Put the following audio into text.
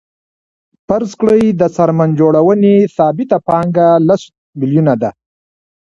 فرض کړئ د څرمن جوړونې ثابته پانګه لس میلیونه ده